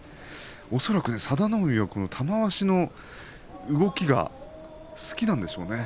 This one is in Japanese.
恐らく佐田の海玉鷲の動きが好きなんでしょうね。